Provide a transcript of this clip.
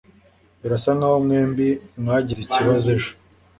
birasa nkaho mwembi mwagize ikibazo ejo